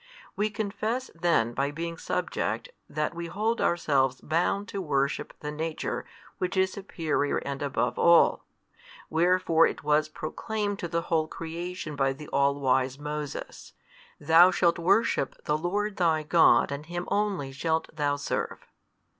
We confess then by being subject that we hold ourselves bound to worship the Nature which is superior and above all. Wherefore it was proclaimed to the whole creation by the all wise Moses, Thou shalt worship the Lord thy God and Him only shalt thou serve.